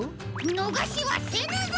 のがしはせぬぞ！